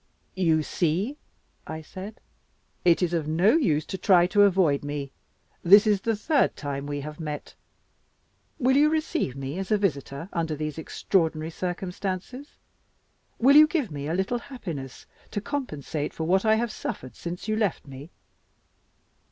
"You see," I said, "it is of no use to try to avoid me. This is the third time we have met. Will you receive me as a visitor, under these extraordinary circumstances? Will you give me a little happiness to compensate for what I have suffered since you left me?"